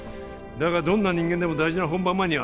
だがどんな人間でも大事な本番前には